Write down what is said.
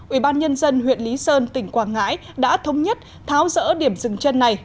ubnd huyện lý sơn tỉnh quảng ngãi đã thống nhất tháo rỡ điểm dừng chân này